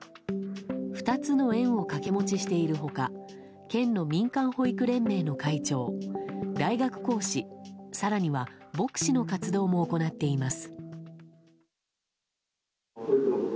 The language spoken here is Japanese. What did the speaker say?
２つの園を掛け持ちしている他県の民間保育連盟の会長大学講師、更には牧師の活動も行っています。